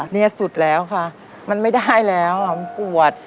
นี่สุดแล้วค่ะมันไม่ได้แล้วมันปวด